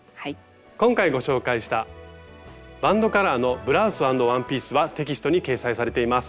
今回ご紹介した「バンドカラーのブラウス＆ワンピース」はテキストに掲載されています。